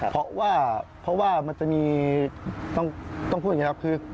เพราะว่ามันจะมีต้องพูดอย่างเงี้ยครับ